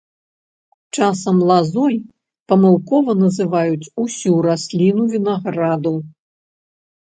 Часам лазой памылкова называюць усю расліну вінаграду.